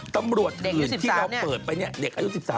ตำรวจอื่นที่เราเปิดไปเนี่ยเด็กอายุ๑๓